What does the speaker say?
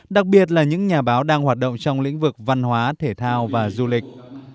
đặc biệt là những nhà báo đang hoạt động trong lĩnh vực văn hóa thể thao và du lịch